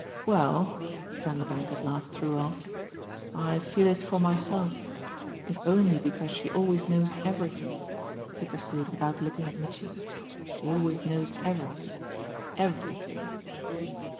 "Well," Vanderbank at last threw off, "I feel it for myself. If only because she always knows everything," he pursued without looking at Mitchy. "She always knows everything, everything."